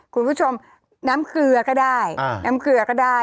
คุณผู้ชมน้ำเครือก็ได้